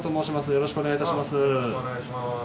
よろしくお願いします。